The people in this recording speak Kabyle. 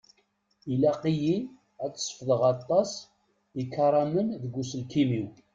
Ilaq-iyi ad sefḍeɣ aṭas ikaramen deg uselkim-iw.